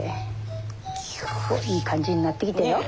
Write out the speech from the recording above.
おっいい感じになってきたよ。